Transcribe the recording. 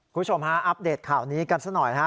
คุณผู้ชมฮะอัปเดตข่าวนี้กันซะหน่อยฮะ